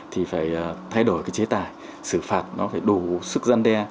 thì phải thay đổi cái chế tài xử phạt nó phải đủ sức gian đe